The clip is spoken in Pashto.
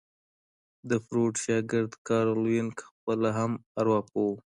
د فروډ شاګرد کارل يونګ خپله هم ارواپوه وو.